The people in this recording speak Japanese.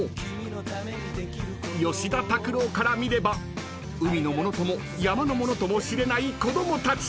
［吉田拓郎から見れば海のものとも山のものとも知れない子供たち］